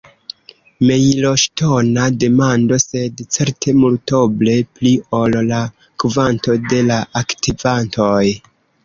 Mejloŝtona demando, sed certe multoble pli ol la kvanto de la aktivantoj.